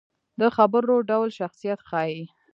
د خبرو ډول شخصیت ښيي